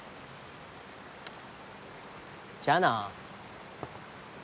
じゃあな。